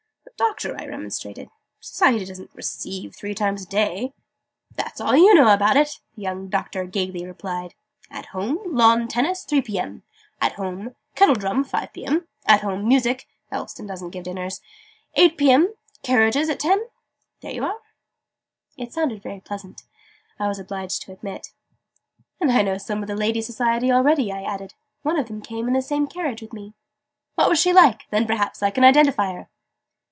"But, Doctor!" I remonstrated. "Society doesn't 'receive' three times a day!" "That's all you know about it!" the young Doctor gaily replied. "At home, lawn tennis, 3 P.M. At home, kettledrum, 5 P.M. At home, music (Elveston doesn't give dinners), 8 P.M. Carriages at 10. There you are!" It sounded very pleasant, I was obliged to admit. "And I know some of the lady society already," I added. "One of them came in the same carriage with me." "What was she like? Then perhaps I can identify her."